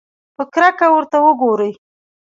په کرکه ورته وګوري.